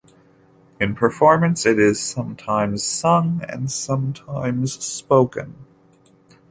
In performance it is sometimes sung and sometimes spoken.